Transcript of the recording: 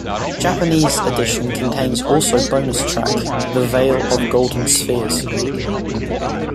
Japanese edition contains also bonus track "The Veil of Golden Spheres".